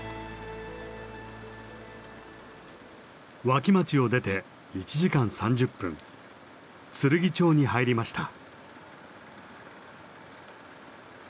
脇町を出て１時間３０分つるぎ町に入りました。